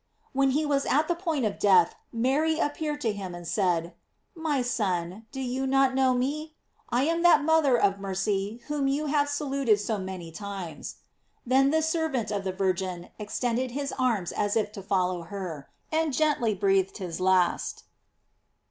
When he was at the point of death Mary appeared to him, and said: "My son, do you not know me ? I am that mother of mercy whom you have saluted so many times." Then this servant of the Virgin extended his arms as if to follow her, and gently breathed his last.